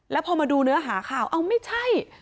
แล้วพอมาดูเนื้อหาข่าวเอ้าไม่ใช่